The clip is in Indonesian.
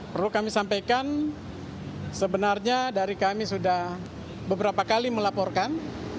perlu kami sampaikan sebenarnya dari kami sudah beberapa kali melaporkan